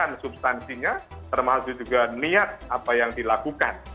substansinya termasuk juga niat apa yang dilakukan